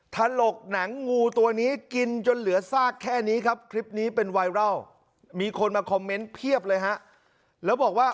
ถลกหงูตัวนี้กินจนเหลือซากแค่นี้ครับคลิปนี้เป็นไวร่ล